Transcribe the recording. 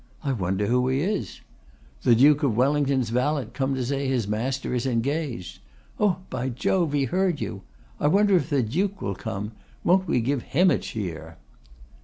I wonder who he is? The Duke of Wellington's valet come to say his master is engaged. Oh! by Jove, he heard you! I wonder if the Duke will come? Won't we give him a cheer!